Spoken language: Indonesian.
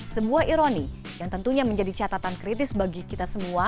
sebuah ironi yang tentunya menjadi catatan kritis bagi kita semua